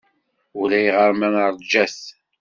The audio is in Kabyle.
Ulayɣer ma neṛja-t.